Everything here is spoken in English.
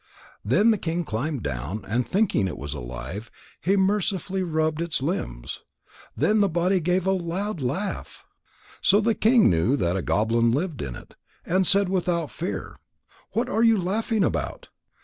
Then the king climbed down, and thinking it was alive, he mercifully rubbed its limbs. Then the body gave a loud laugh. So the king knew that a goblin lived in it, and said without fear: "What are you laughing about?